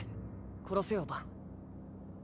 殺せよバン。